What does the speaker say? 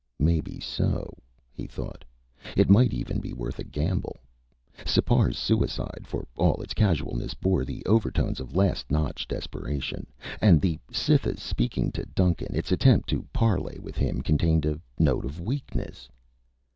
Maybe so, he thought. It might be worth a gamble. Sipar's suicide, for all its casualness, bore the overtones of last notch desperation. And the Cytha's speaking to Duncan, its attempt to parley with him, contained a note of weakness.